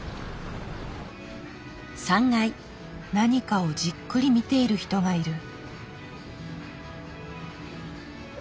何かをじっくり見ている人がいる。